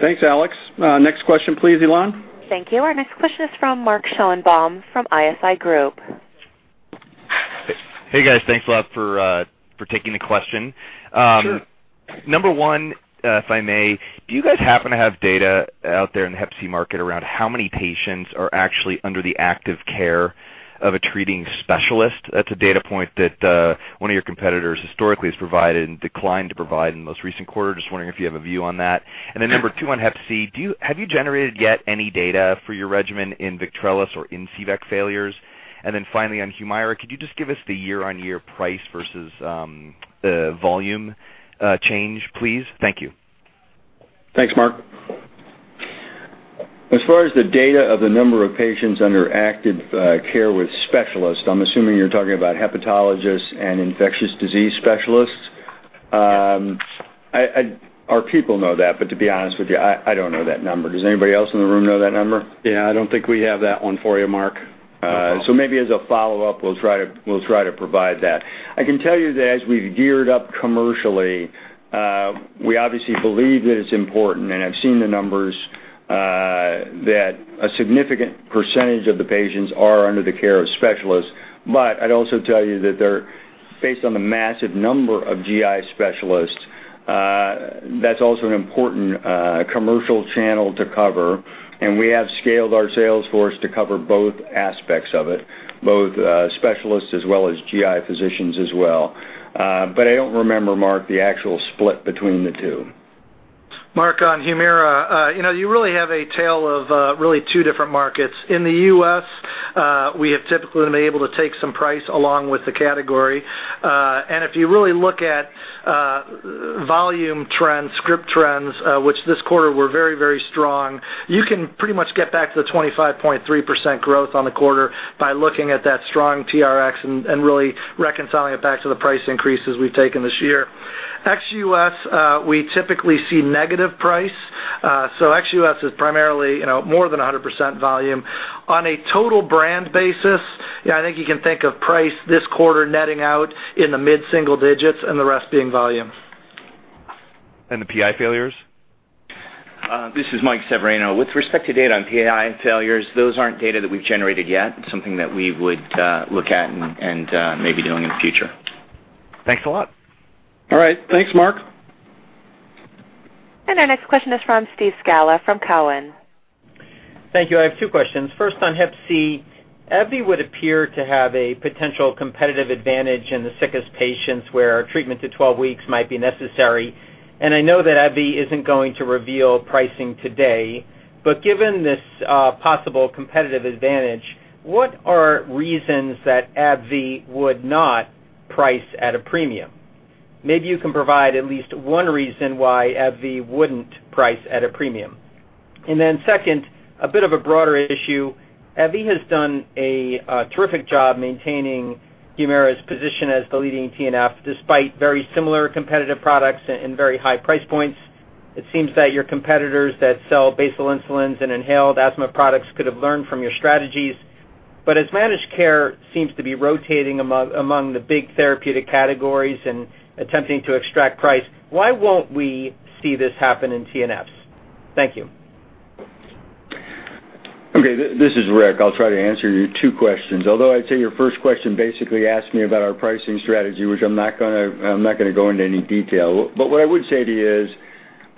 Thanks, Alex. Next question, please, Elan. Thank you. Our next question is from Mark Schoenebaum from ISI Group. Hey, guys. Thanks a lot for taking the question. Sure. Number one, if I may, do you guys happen to have data out there in the hep C market around how many patients are actually under the active care of a treating specialist? That's a data point that one of your competitors historically has provided and declined to provide in the most recent quarter. Just wondering if you have a view on that. Number two on hep C, have you generated yet any data for your regimen in VICTRELIS or in INCIVEK failures? Finally, on Humira, could you just give us the year-on-year price versus volume change, please? Thank you. Thanks, Mark. As far as the data of the number of patients under active care with specialists, I'm assuming you're talking about hepatologists and infectious disease specialists. Yes. Our people know that, to be honest with you, I don't know that number. Does anybody else in the room know that number? Yeah, I don't think we have that one for you, Mark. No problem. Maybe as a follow-up, we'll try to provide that. I can tell you that as we've geared up commercially, we obviously believe that it's important, and I've seen the numbers, that a significant percentage of the patients are under the care of specialists. I'd also tell you that they're based on the massive number of GI specialists. That's also an important commercial channel to cover, and we have scaled our sales force to cover both aspects of it, both specialists as well as GI physicians as well. I don't remember, Mark, the actual split between the two. Mark, on Humira, you really have a tale of really two different markets. In the U.S., we have typically been able to take some price along with the category. If you really look at volume trends, script trends, which this quarter were very, very strong, you can pretty much get back to the 25.3% growth on the quarter by looking at that strong TRX and really reconciling it back to the price increases we've taken this year. Ex-U.S., we typically see negative price. Ex-U.S. is primarily more than 100% volume. On a total brand basis, yeah, I think you can think of price this quarter netting out in the mid-single digits and the rest being volume. The PI failures? This is Michael Severino. With respect to data on PI failures, those aren't data that we've generated yet. It's something that we would look at and maybe do in the future. Thanks a lot. All right. Thanks, Mark. Our next question is from Steve Scala from Cowen. Thank you. I have two questions. First, on HCV, AbbVie would appear to have a potential competitive advantage in the sickest patients, where treatment to 12 weeks might be necessary, and I know that AbbVie isn't going to reveal pricing today. Given this possible competitive advantage, what are reasons that AbbVie would not price at a premium? Maybe you can provide at least one reason why AbbVie wouldn't price at a premium. Second, a bit of a broader issue. AbbVie has done a terrific job maintaining Humira's position as the leading TNF despite very similar competitive products and very high price points. It seems that your competitors that sell basal insulins and inhaled asthma products could have learned from your strategies. As managed care seems to be rotating among the big therapeutic categories and attempting to extract price, why won't we see this happen in TNFs? Thank you. Okay, this is Rick. I'll try to answer your two questions. Although I'd say your first question basically asked me about our pricing strategy, which I'm not going to go into any detail. What I would say to you is,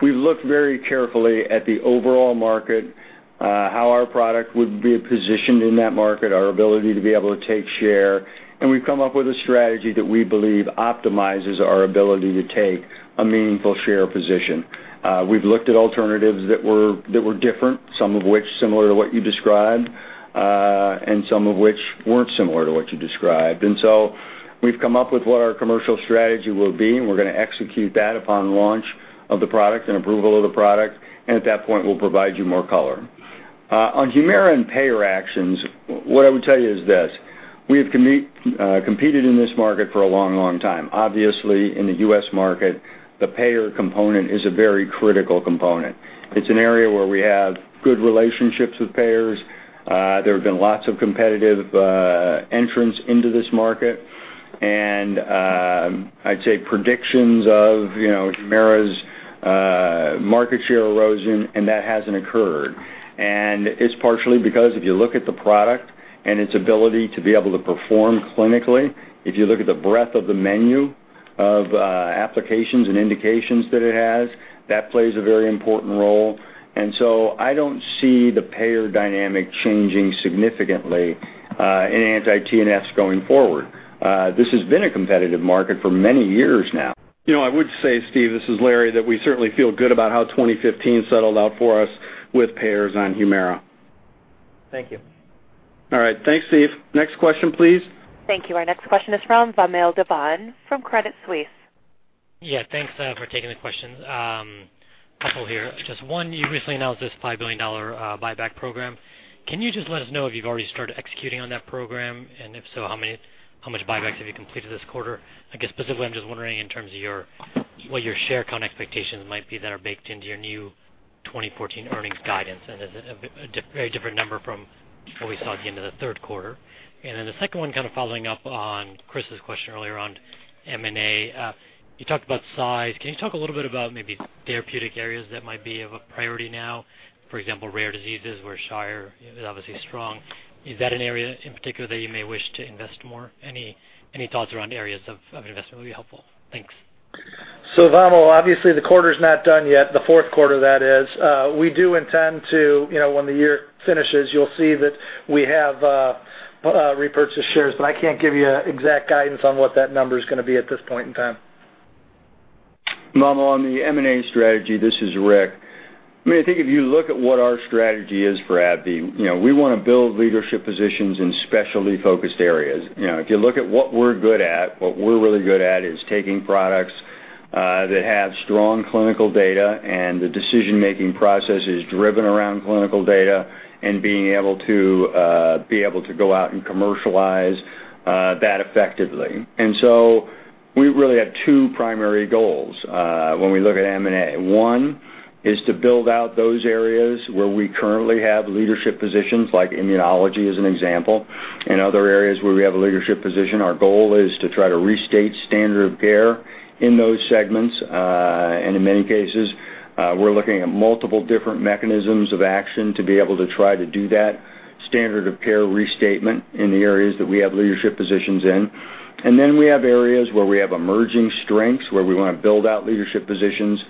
we've looked very carefully at the overall market, how our product would be positioned in that market, our ability to be able to take share, and we've come up with a strategy that we believe optimizes our ability to take a meaningful share position. We've looked at alternatives that were different, some of which similar to what you described, and some of which weren't similar to what you described. We've come up with what our commercial strategy will be, and we're going to execute that upon launch of the product and approval of the product. At that point, we'll provide you more color. On Humira and payer actions, what I would tell you is this: We have competed in this market for a long, long time. Obviously, in the U.S. market, the payer component is a very critical component. It's an area where we have good relationships with payers. There have been lots of competitive entrants into this market, and I'd say predictions of Humira's market share erosion, and that hasn't occurred. It's partially because if you look at the product and its ability to be able to perform clinically, if you look at the breadth of the menu of applications and indications that it has, that plays a very important role. I don't see the payer dynamic changing significantly in anti-TNFs going forward. This has been a competitive market for many years now. I would say, Steve, this is Larry, that we certainly feel good about how 2015 settled out for us with payers on Humira. Thank you. All right. Thanks, Steve. Next question, please. Thank you. Our next question is from Vamil Divan from Credit Suisse. Yeah. Thanks for taking the questions. Couple here. Just one, you recently announced this $5 billion buyback program. Can you just let us know if you've already started executing on that program? If so, how much buybacks have you completed this quarter? I guess specifically, I'm just wondering in terms of what your share count expectations might be that are baked into your new 2014 earnings guidance, and is it a very different number from what we saw at the end of the third quarter? The second one kind of following up on Chris's question earlier on M&A. You talked about size. Can you talk a little bit about maybe therapeutic areas that might be of a priority now, for example, rare diseases, where Shire is obviously strong? Is that an area in particular that you may wish to invest more? Any thoughts around areas of investment would be helpful. Thanks. Vamil, obviously the quarter's not done yet, the fourth quarter, that is. We do intend to, when the year finishes, you'll see that we have repurchased shares, but I can't give you exact guidance on what that number's going to be at this point in time. Vamil, on the M&A strategy, this is Rick. I think if you look at what our strategy is for AbbVie, we want to build leadership positions in specialty-focused areas. If you look at what we're good at, what we're really good at is taking products that have strong clinical data, and the decision-making process is driven around clinical data and being able to go out and commercialize that effectively. We really have two primary goals when we look at M&A. One is to build out those areas where we currently have leadership positions, like immunology as an example, and other areas where we have a leadership position. Our goal is to try to restate standard of care in those segments. In many cases, we're looking at multiple different mechanisms of action to be able to try to do that standard of care restatement in the areas that we have leadership positions in. Then we have areas where we have emerging strengths, where we want to build out leadership positions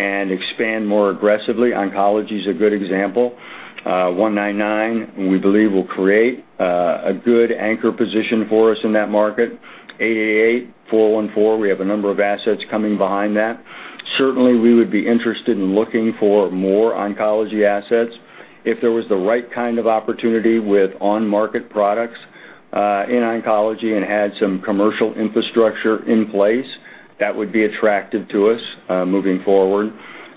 and expand more aggressively. Oncology is a good example. ABT-199 we believe will create a good anchor position for us in that market. 888, 414, we have a number of assets coming behind that. Certainly, we would be interested in looking for more oncology assets. If there was the right kind of opportunity with on-market products in oncology and had some commercial infrastructure in place, that would be attractive to us moving forward.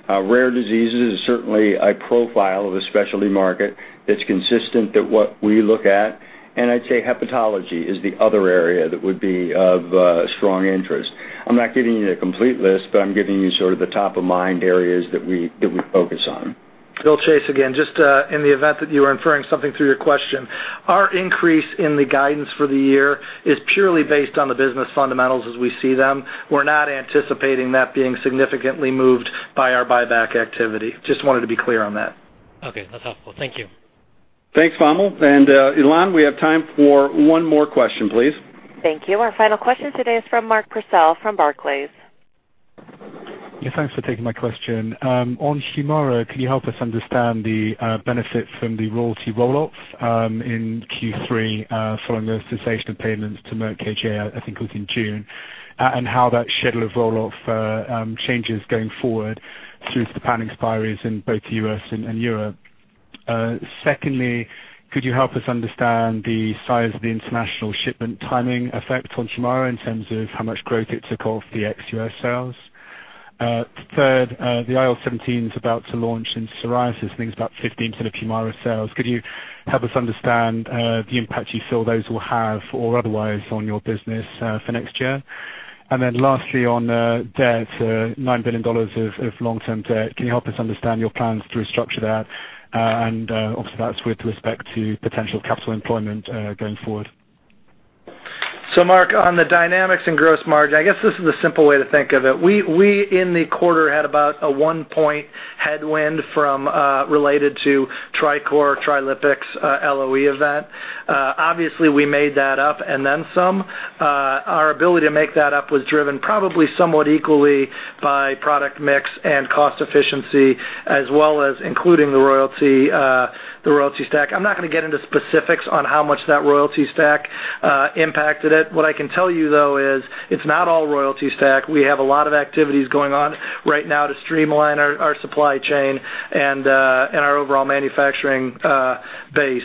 Rare diseases is certainly a profile of a specialty market that's consistent at what we look at. I'd say hepatology is the other area that would be of strong interest. I'm not giving you a complete list, I'm giving you sort of the top-of-mind areas that we focus on. Bill Chase again. Just in the event that you were inferring something through your question, our increase in the guidance for the year is purely based on the business fundamentals as we see them. We're not anticipating that being significantly moved by our buyback activity. Just wanted to be clear on that. Okay, that's helpful. Thank you. Thanks, Vamil. Elan, we have time for one more question, please. Thank you. Our final question today is from Mark Purcell from Barclays. Thanks for taking my question. On Humira, can you help us understand the benefit from the royalty roll-offs in Q3 following the cessation of payments to Merck KGaA, I think it was in June, and how that schedule of roll-off changes going forward through to patent expiries in both the U.S. and Europe? Secondly, could you help us understand the size of the international shipment timing effect on Humira in terms of how much growth it took off the ex-U.S. sales? Third, the IL-17s about to launch in psoriasis, I think it's about 15% of Humira sales. Could you help us understand the impact you feel those will have or otherwise on your business for next year? Lastly on debt, $9 billion of long-term debt, can you help us understand your plans to restructure that? Obviously, that's with respect to potential capital employment going forward. Mark, on the dynamics in gross margin, I guess this is a simple way to think of it. We, in the quarter, had about a one-point headwind related to TRICOR, TRILIPIX LOE event. Obviously, we made that up and then some. Our ability to make that up was driven probably somewhat equally by product mix and cost efficiency as well as including the royalty stack. I'm not going to get into specifics on how much that royalty stack impacted it. What I can tell you, though, is it's not all royalty stack. We have a lot of activities going on right now to streamline our supply chain and our overall manufacturing base.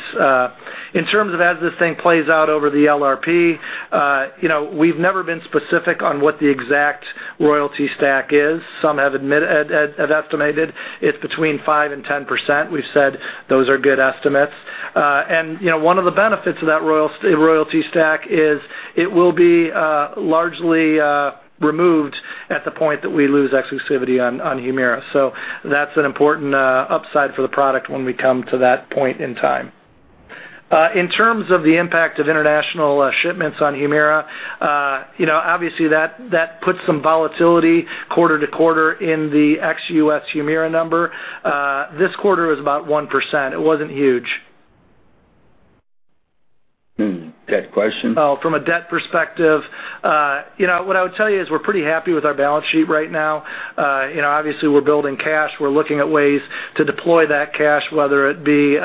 In terms of as this thing plays out over the LRP, we've never been specific on what the exact royalty stack is. Some have estimated it's between 5%-10%. We've said those are good estimates. One of the benefits of that royalty stack is it will be largely removed at the point that we lose exclusivity on Humira. That's an important upside for the product when we come to that point in time. In terms of the impact of international shipments on Humira, obviously that puts some volatility quarter-to-quarter in the ex-U.S. Humira number. This quarter was about 1%. It wasn't huge. Debt question? From a debt perspective, what I would tell you is we're pretty happy with our balance sheet right now. Obviously, we're building cash. We're looking at ways to deploy that cash, whether it be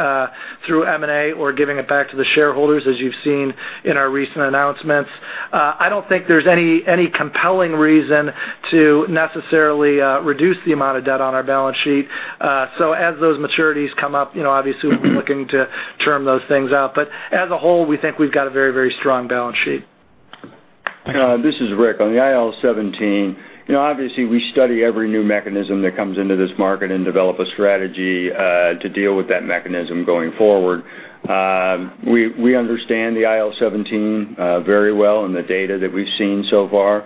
through M&A or giving it back to the shareholders, as you've seen in our recent announcements. I don't think there's any compelling reason to necessarily reduce the amount of debt on our balance sheet. As those maturities come up, obviously we're looking to term those things out. As a whole, we think we've got a very, very strong balance sheet. This is Rick. On the IL-17, obviously we study every new mechanism that comes into this market and develop a strategy to deal with that mechanism going forward. We understand the IL-17 very well and the data that we've seen so far.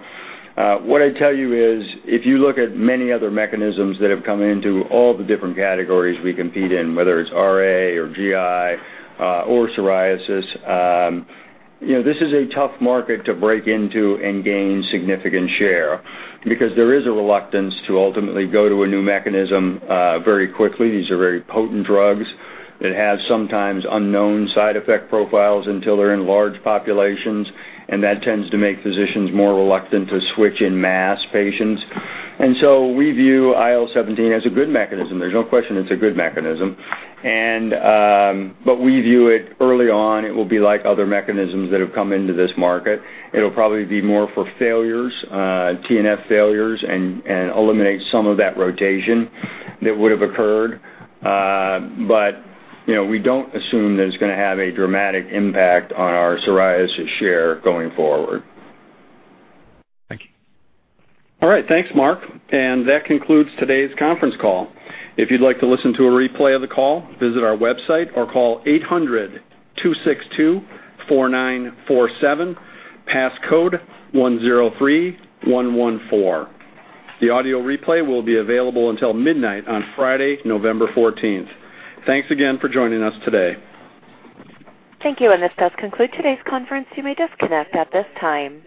What I'd tell you is, if you look at many other mechanisms that have come into all the different categories we compete in, whether it's RA or GI or psoriasis, this is a tough market to break into and gain significant share because there is a reluctance to ultimately go to a new mechanism very quickly. These are very potent drugs that have sometimes unknown side effect profiles until they're in large populations, and that tends to make physicians more reluctant to switch en masse patients. We view IL-17 as a good mechanism. There's no question it's a good mechanism. We view it early on, it will be like other mechanisms that have come into this market. It'll probably be more for failures, TNF failures, and eliminate some of that rotation that would have occurred. We don't assume that it's going to have a dramatic impact on our psoriasis share going forward. Thank you. All right. Thanks, Mark. That concludes today's conference call. If you'd like to listen to a replay of the call, visit our website or call 800-262-4947, passcode 103114. The audio replay will be available until midnight on Friday, November 14th. Thanks again for joining us today. Thank you, this does conclude today's conference. You may disconnect at this time.